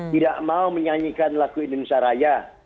tidak mau menyanyikan lagu indonesia raya